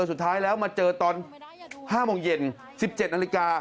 สุดท้ายแล้วมาเจอตอน๕โมงเย็น๑๗นาฬิกา